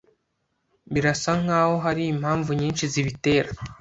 Birasa nkaho hari impamvu nyinshi zibitera.